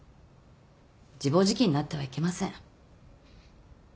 自暴自棄になってはいけません。